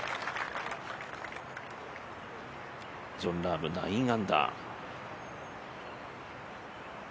ジョン・ラーム、９アンダー。